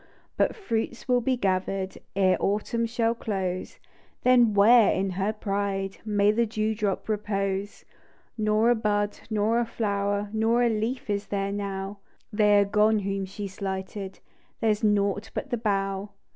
But fruits will he gathered Ere autumn shall close ; Then, where in her pride May the dew drop repose P Nor a hud, nor a flower, Nor a leaf is there now ; They are gone whom she slighted — There's nought but the bough.